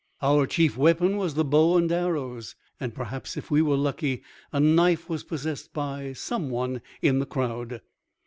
Our chief weapon was the bow and arrows, and perhaps, if we were lucky, a knife was possessed by some one in the crowd.